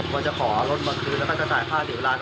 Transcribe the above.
ว่าจะขอเอารถมาคืนแล้วก็จะจ่ายค่าเสียเวลา